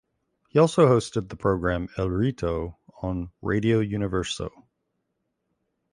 He also hosted the program El Rito on Radio Universo.